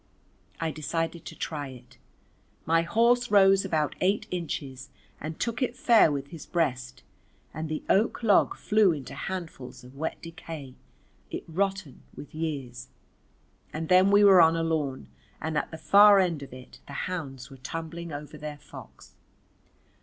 I decided to try it. My horse rose about eight inches and took it fair with his breast, and the oak log flew into handfuls of wet decay it rotten with years. And then we were on a lawn and at the far end of it the hounds were tumbling over their fox.